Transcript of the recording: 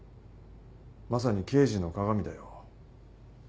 まさに刑事の鑑だよ。